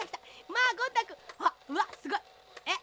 まあゴン太くん。はっうわっすごい！えっ！